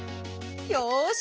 よし！